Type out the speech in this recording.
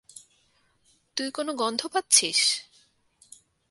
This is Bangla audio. তুই কোন গন্ধ পাচ্ছিস?